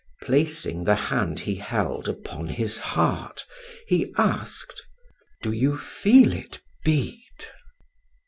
Placing the hand he held upon his heart he asked: "Do you feel it beat?"